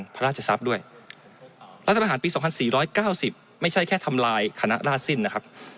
ของพระราชจะทรัพย์ด้วยปี๒๔๙๐ไม่ใช่แค่ทำลายคณะราชสิ้นนะครับ